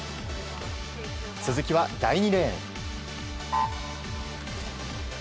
鈴木は第２レーン。